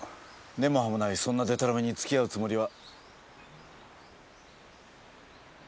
根も葉もないそんなデタラメに付き合うつもりは。